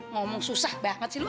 ngomong susah banget sih lu